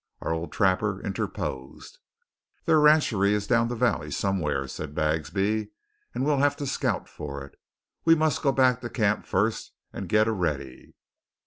Our old trapper interposed. "Their rancheree is down the valley somewhars," said Bagsby, "and we'll have to scout for it. We must go back to camp first and get a ready."